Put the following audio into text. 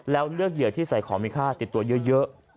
แล้วเลือกเหยื่อที่ใส่ของมีค่าติดตัวเยอะ